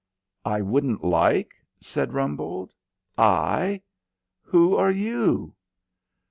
"I wouldn't like?" said Rumbold. "I? Who are you?"